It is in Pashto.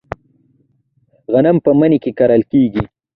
غنم په مني کې کرل کیږي.